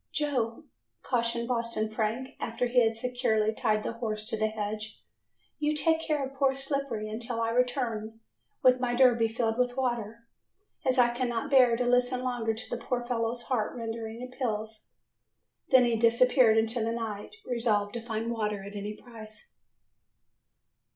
"Joe," cautioned Boston Frank, after he had securely tied the horse to the hedge, "you take care of poor Slippery until I return with my derby filled with water, as I cannot bear to listen longer to the poor fellow's heart rending appeals." Then he disappeared into the night, resolved to find water at any price.